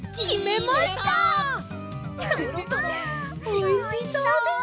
おいしそうです！